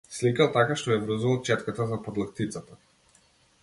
Сликал така што ја врзувал четката за подлактицата.